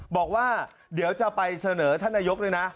บอกว่าเดี๋ยวจะไปเสนอท่านนายกด้วยนะ